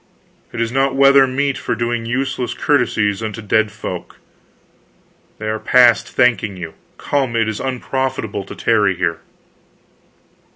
"It is not weather meet for doing useless courtesies unto dead folk. They are past thanking you. Come it is unprofitable to tarry here."